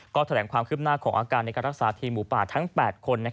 ก็แถลงความคืบหน้าของอาการในการรักษาทีมหมูป่าทั้ง๘คน